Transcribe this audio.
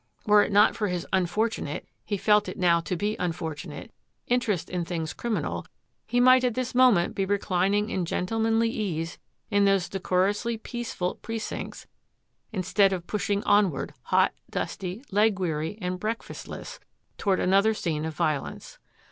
Were it not for his unfortunate — he felt it now to be unfortunate — interest in things criminal, he might at this moment be reclining in gentlemanly ease in those decorously peaceful pre cincts instead of pushing onward, hot, dusty, leg weary and breakfastless, toward another scene of violence.